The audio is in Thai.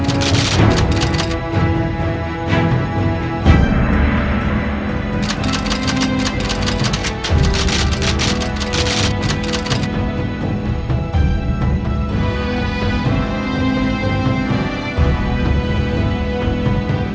โปรดติดตามตอนต่อไป